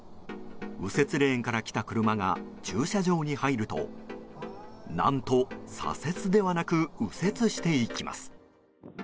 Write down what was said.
右折レーンから来た車が駐車場に入ると何と左折ではなく右折していきます。